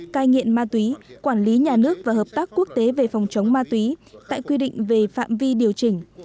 cai nghiện ma túy quản lý nhà nước và hợp tác quốc tế về phòng chống ma túy tại quy định về phạm vi điều chỉnh